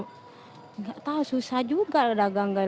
tidak tahu susah juga dagang dagang kayak ini